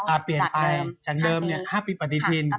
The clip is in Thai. เวลาให้เป็นอย่างเดิมนี่๕ปีปฏิทิน